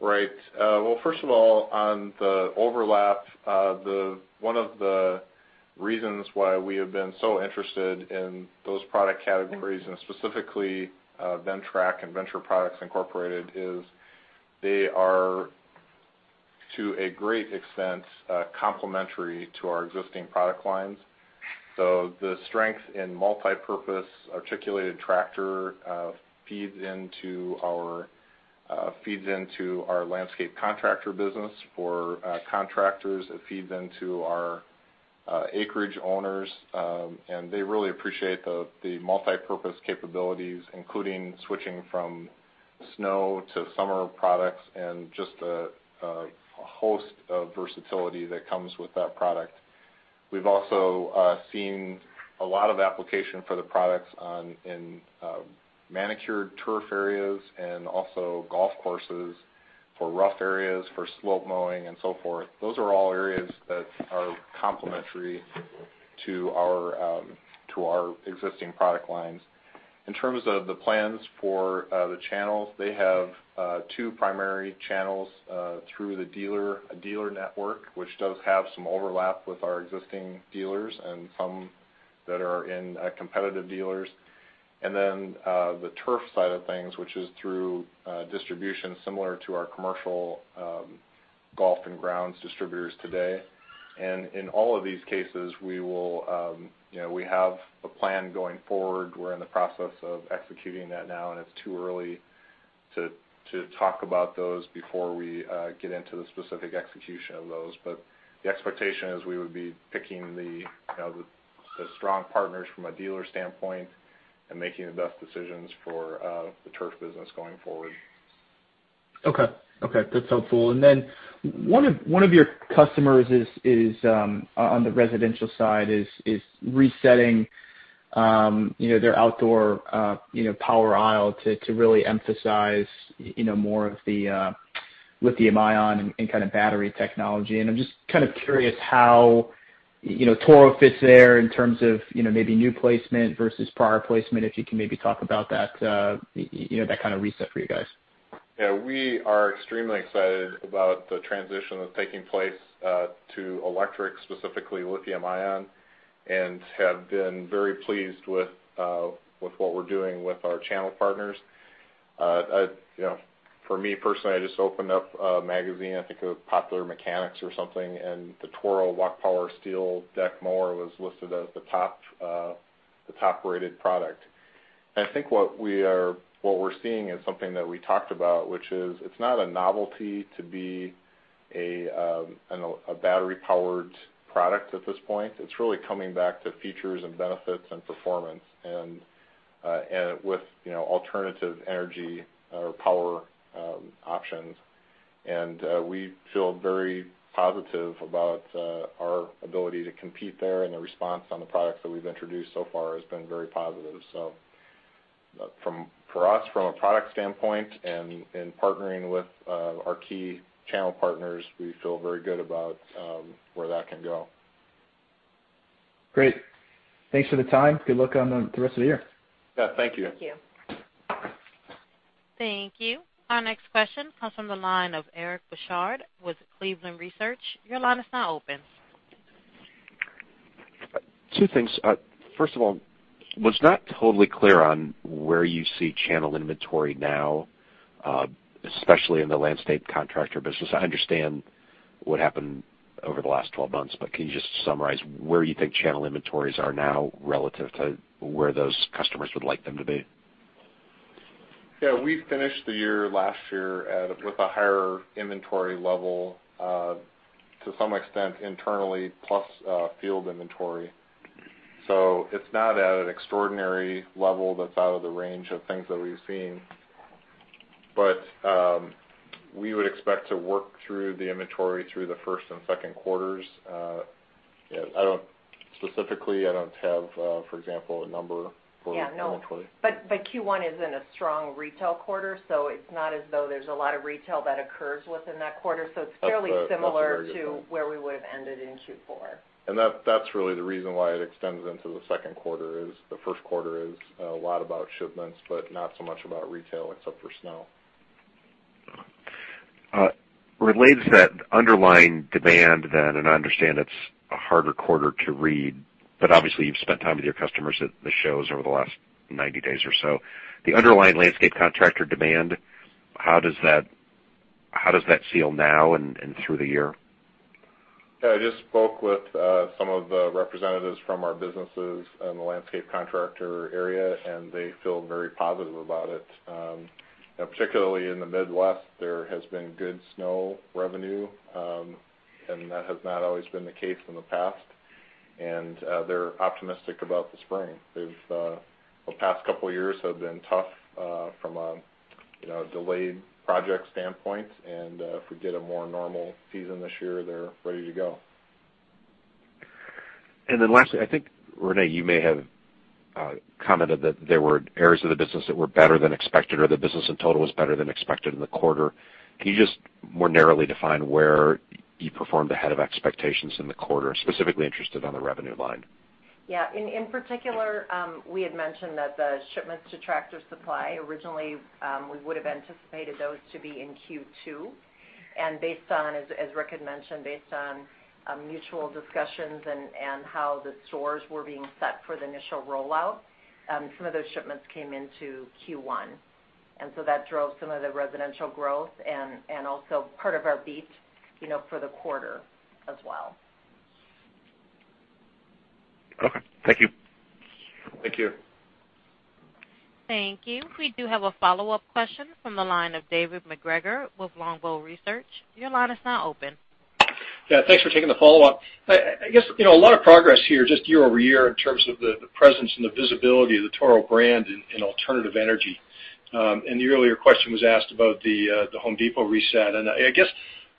Speaker 3: Right. Well, first of all, on the overlap, one of the reasons why we have been so interested in those product categories and specifically Ventrac and Venture Products, Inc. is they are, to a great extent, complementary to our existing product lines. The strength in multipurpose articulated tractor feeds into our landscape contractor business for contractors. It feeds into our acreage owners, and they really appreciate the multipurpose capabilities, including switching from snow to summer products and just a host of versatility that comes with that product. We've also seen a lot of application for the products in manicured turf areas and also golf courses for rough areas, for slope mowing, and so forth. Those are all areas that are complementary to our existing product lines. In terms of the plans for the channels, they have two primary channels through the dealer network, which does have some overlap with our existing dealers and some that are in competitive dealers. The turf side of things, which is through distribution similar to our commercial golf and grounds distributors today. In all of these cases, we have a plan going forward. We're in the process of executing that now, and it's too early to talk about those before we get into the specific execution of those. The expectation is we would be picking the strong partners from a dealer standpoint and making the best decisions for the turf business going forward.
Speaker 10: Okay. That's helpful. One of your customers on the residential side is resetting their outdoor power aisle to really emphasize more of the lithium-ion and battery technology. I'm just curious how Toro fits there in terms of maybe new placement versus prior placement, if you can maybe talk about that kind of reset for you guys.
Speaker 3: Yeah, we are extremely excited about the transition that's taking place to electric, specifically lithium-ion, and have been very pleased with what we're doing with our channel partners. For me personally, I just opened up a magazine, I think it was Popular Mechanics or something, and the Toro Walk Power Steel Deck Mower was listed as the top-rated product. I think what we're seeing is something that we talked about, which is it's not a novelty to be a battery-powered product at this point. It's really coming back to features and benefits and performance, and with alternative energy or power options. We feel very positive about our ability to compete there, and the response on the products that we've introduced so far has been very positive. For us, from a product standpoint and partnering with our key channel partners, we feel very good about where that can go.
Speaker 10: Great. Thanks for the time. Good luck on the rest of the year.
Speaker 3: Yeah, thank you.
Speaker 4: Thank you.
Speaker 1: Thank you. Our next question comes from the line of Eric Bosshard with Cleveland Research. Your line is now open.
Speaker 11: Two things. First of all, was not totally clear on where you see channel inventory now, especially in the landscape contractor business. I understand what happened over the last 12 months, but can you just summarize where you think channel inventories are now relative to where those customers would like them to be?
Speaker 3: We finished the year last year with a higher inventory level, to some extent internally, plus field inventory. It's not at an extraordinary level that's out of the range of things that we've seen. We would expect to work through the inventory through the first and second quarters. Specifically, I don't have, for example, a number for inventory.
Speaker 4: Yeah, no. Q1 isn't a strong retail quarter, it's not as though there's a lot of retail that occurs within that quarter. It's fairly similar-
Speaker 3: That's a very good point.
Speaker 4: to where we would've ended in Q4.
Speaker 3: That's really the reason why it extends into the second quarter is the first quarter is a lot about shipments, but not so much about retail except for snow.
Speaker 11: Relates to that underlying demand then, and I understand it's a harder quarter to read. Obviously, you've spent time with your customers at the shows over the last 90 days or so. The underlying landscape contractor demand, how does that feel now and through the year?
Speaker 3: Yeah, I just spoke with some of the representatives from our businesses in the landscape contractor area. They feel very positive about it. Particularly in the Midwest, there has been good snow revenue. That has not always been the case in the past. They're optimistic about the spring. The past couple of years have been tough from a delayed project standpoint. If we get a more normal season this year, they're ready to go.
Speaker 11: Lastly, I think, Renee, you may have commented that there were areas of the business that were better than expected or the business in total was better than expected in the quarter. Can you just more narrowly define where you performed ahead of expectations in the quarter? Specifically interested on the revenue line.
Speaker 4: Yeah. In particular, we had mentioned that the shipments to Tractor Supply, originally, we would've anticipated those to be in Q2. As Rick had mentioned, based on mutual discussions and how the stores were being set for the initial rollout, some of those shipments came into Q1. That drove some of the residential growth and also part of our beat for the quarter as well.
Speaker 11: Okay. Thank you.
Speaker 3: Thank you.
Speaker 1: Thank you. We do have a follow-up question from the line of David MacGregor with Longbow Research. Your line is now open.
Speaker 6: Yeah. Thanks for taking the follow-up. I guess, a lot of progress here, just year-over-year, in terms of the presence and the visibility of the Toro brand in alternative energy. The earlier question was asked about The Home Depot reset. I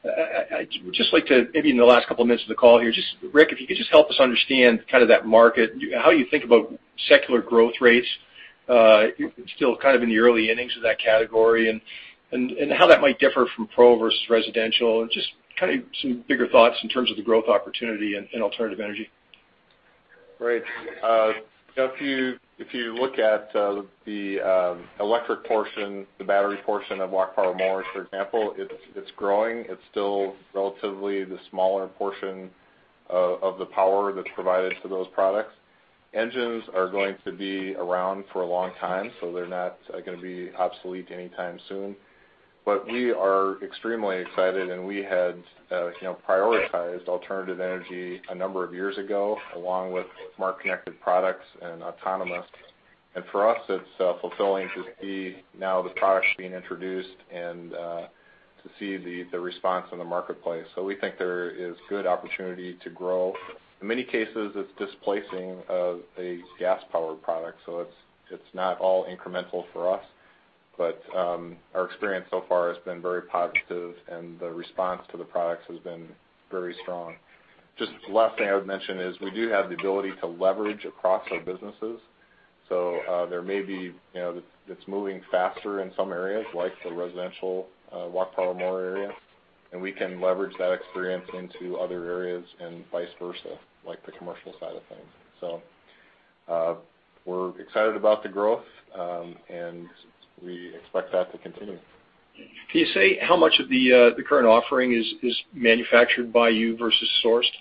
Speaker 6: guess I would just like to, maybe in the last couple of minutes of the call here, just, Rick, if you could just help us understand kind of that market, how you think about secular growth rates. You're still kind of in the early innings of that category, and how that might differ from pro versus residential, and just kind of some bigger thoughts in terms of the growth opportunity in alternative energy.
Speaker 3: Great. If you look at the electric portion, the battery portion of walk power mowers, for example, it's growing. It's still relatively the smaller portion of the power that's provided to those products. Engines are going to be around for a long time, so they're not gonna be obsolete anytime soon. We are extremely excited, and we had prioritized alternative energy a number of years ago, along with smart connected products and autonomous. For us, it's fulfilling to see now the products being introduced and to see the response in the marketplace. We think there is good opportunity to grow. In many cases, it's displacing a gas-powered product, so it's not all incremental for us. Our experience so far has been very positive, and the response to the products has been very strong. Just last thing I would mention is we do have the ability to leverage across our businesses. It's moving faster in some areas, like the residential walk power mower area, and we can leverage that experience into other areas and vice versa, like the commercial side of things. We're excited about the growth, and we expect that to continue.
Speaker 6: Can you say how much of the current offering is manufactured by you versus sourced?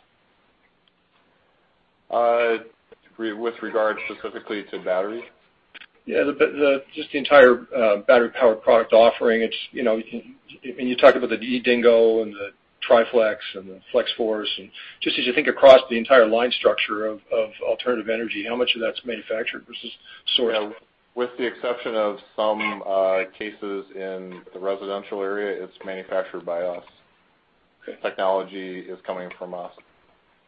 Speaker 3: With regard specifically to batteries?
Speaker 6: Yeah, just the entire battery-powered product offering. You talk about the eDingo and the eTriFlex and the Flex-Force and just as you think across the entire line structure of alternative energy, how much of that's manufactured versus sourced?
Speaker 3: Yeah. With the exception of some cases in the residential area, it's manufactured by us.
Speaker 6: Okay.
Speaker 3: The technology is coming from us.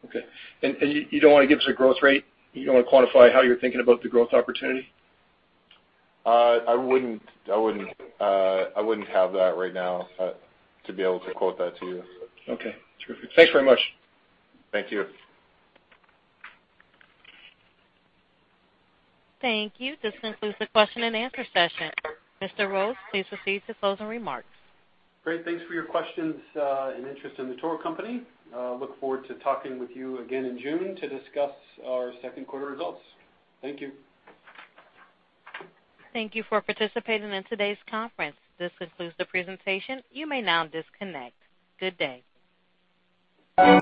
Speaker 6: Okay. You don't want to give us a growth rate? You don't want to quantify how you're thinking about the growth opportunity?
Speaker 3: I wouldn't have that right now to be able to quote that to you.
Speaker 6: Okay. Terrific. Thanks very much.
Speaker 3: Thank you.
Speaker 1: Thank you. This concludes the question and answer session. Mr. Olson, please proceed to closing remarks.
Speaker 3: Great. Thanks for your questions and interest in The Toro Company. Look forward to talking with you again in June to discuss our second quarter results. Thank you.
Speaker 1: Thank you for participating in today's conference. This concludes the presentation. You may now disconnect. Good day.